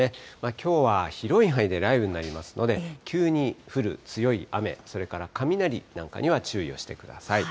きょうは広い範囲で雷雨になりますので、急に降る強い雨、それから雷なんかには注意をしてください。